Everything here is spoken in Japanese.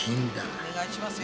お願いしますよ。